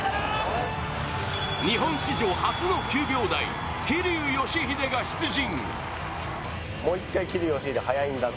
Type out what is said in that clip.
日本史上初の９秒台桐生祥秀が出陣。